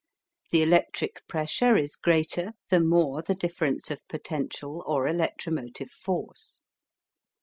The electric pressure is greater the more the difference of potential or electromotive force.